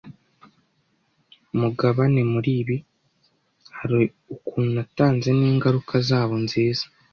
Mugabane muri ibi? Hari ukuntu natanze n'ingaruka zabo nziza?